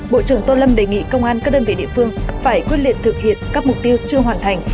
bộ trưởng tô lâm đề nghị công an các đơn vị địa phương phải quyết liệt thực hiện các mục tiêu chưa hoàn thành